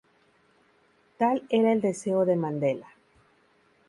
Tal era el deseo de Mandela.